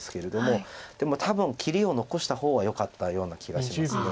でも多分切りを残した方がよかったような気がします。